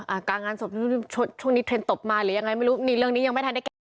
กลางงานศพช่วงนี้เทรนดตบมาหรือยังไงไม่รู้นี่เรื่องนี้ยังไม่ทันได้แก้